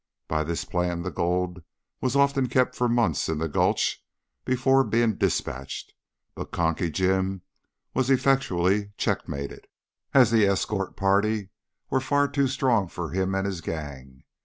By this plan the gold was often kept for months in the Gulch before being despatched, but Conky Jim was effectually checkmated, as the escort party were far too strong for him and his gang.